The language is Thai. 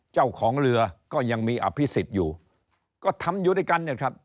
เจ้าของเรือก็ยังมีอภิษฎอยู่ก็ทำอยู่ด้วยกันเนี่ยครับ